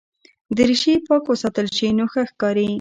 دریشي پاکه وساتل شي نو ښه ښکاري.